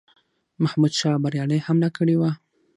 محمودشاه بریالی حمله کړې وه.